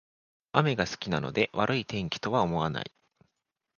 雨が好きなので悪い天気とは思わない